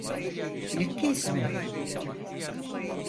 İlk kez mi?